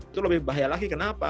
itu lebih bahaya lagi kenapa